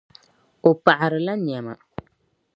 O paɣirila nyɛma.